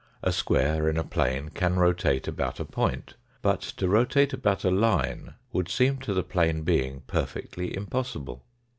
A square in a plane can rotate about a point, but to rotate about a line would seem to the plane being perfectly impossible.